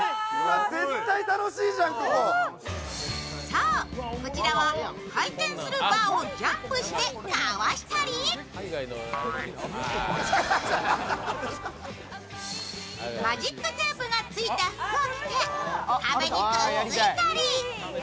そう、こちらは回転するバーをジャンプしてかわしたりマジックテープがついた服を着て壁にくっついたり。